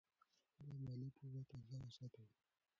خپله مالي پوهه تازه وساتئ.